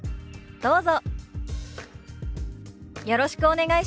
どうぞ。